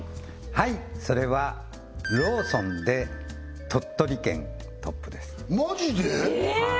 はいそれはローソンで鳥取県トップですマジで！？え！？